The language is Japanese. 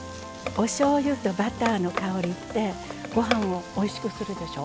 おしょうゆとバターの香りってご飯をおいしくするでしょ。